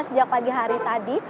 sejak pagi hari tadi